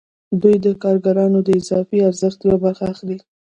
دوی د کارګرانو د اضافي ارزښت یوه برخه اخلي